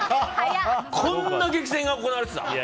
こんな激戦が行われてた！